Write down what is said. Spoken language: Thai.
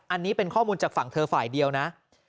อันนี้เป็นข้อมูลจากฝั่งเธอฝ่ายเดียวนะ